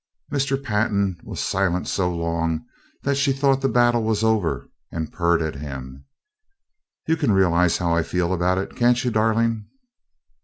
Mr. Pantin was silent so long that she thought the battle was over, and purred at him: "You can realize how I feel about it, can't you, darling?"